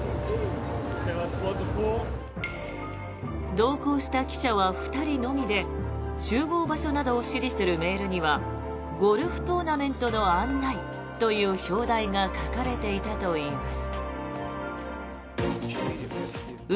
同行した記者は２人のみで集合場所などを指示するメールには「ゴルフトーナメントの案内」という表題が書かれていたといいます。